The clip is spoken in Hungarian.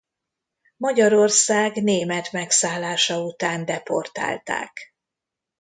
Magyarország német megszállása után deportálták.